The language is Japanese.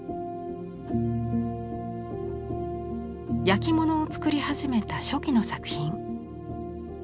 焼き物を作り始めた初期の作品。